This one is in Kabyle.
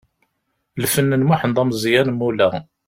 Lfen n Muḥend Ameẓyan Mula.